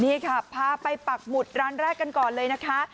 นี่ค่ะพาไปปักหมุดร้านแรกกันก่อนเลยนะคะ